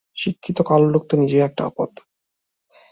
শিক্ষিত কালো লোক তো নিজেই একটা আপদ।